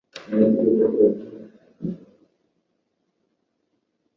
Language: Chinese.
此剧为深津绘里初次担任主演的电视剧。